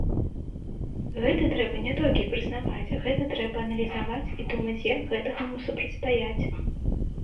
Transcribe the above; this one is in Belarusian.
Гэта трэба не толькі прызнаваць, гэта трэба аналізаваць і думаць, як гэтаму супрацьстаяць.